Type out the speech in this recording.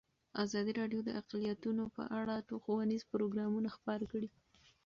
ازادي راډیو د اقلیتونه په اړه ښوونیز پروګرامونه خپاره کړي.